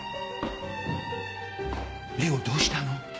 玲緒どうしたの？